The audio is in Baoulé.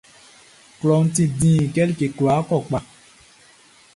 Klɔʼn ti dĩn kɛ like kwlaa kɔ kpaʼn.